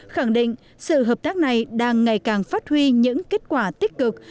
khẳng định sự hợp tác này đang ngày càng phát huy những kết quả tích cực